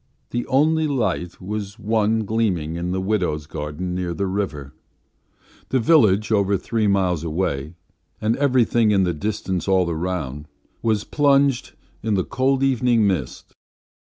The only light was one gleaming in the widows' gardens near the river; the village, over three miles away, and everything in the distance all round was plunged in the cold evening mist.